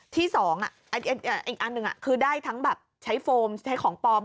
ที่๒อีกอันหนึ่งคือได้ทั้งแบบใช้โฟมใช้ของปลอม